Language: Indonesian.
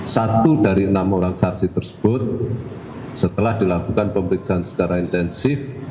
satu dari enam orang saksi tersebut setelah dilakukan pemeriksaan secara intensif